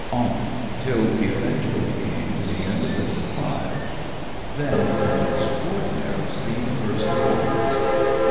On, till we eventually came to the end of the defile. Then an extraordinary scene burst upon us.